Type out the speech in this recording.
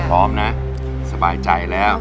พร้อมนะสบายใจแล้ว